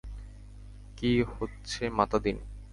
কী হচ্ছে মাতাদীন?